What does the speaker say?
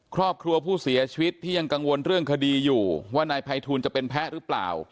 ครอบครัวผู้เสียชีวิตที่ยังกังวลเรื่องคดีอยู่ว่านายภัยทูลจะเป็นแพ้หรือเปล่า